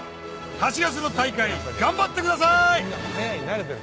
８月の大会頑張ってください！